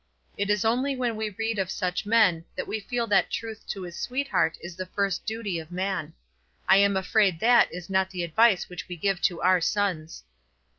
It is only when we read of such men that we feel that truth to his sweetheart is the first duty of man. I am afraid that it is not the advice which we give to our sons.